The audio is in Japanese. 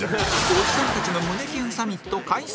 おじさんたちの胸キュンサミット開催